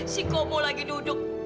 si komo lagi duduk